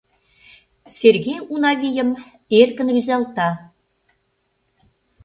— Сергей Унавийым эркын рӱзалта.